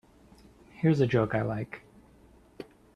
Here's a joke I like.